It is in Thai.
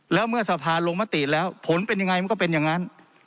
แล้วเมื่อสภาลงมติแล้วผลเป็นยังไงมันก็เป็นอย่างนั้น